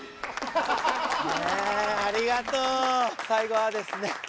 最後はですね